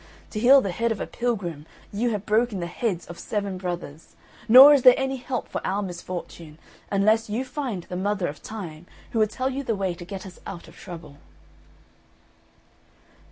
To heal the head of a pilgrim, you have broken the heads of seven brothers; nor is there any help for our misfortune, unless you find the Mother of Time, who will tell you the way to get us out of trouble."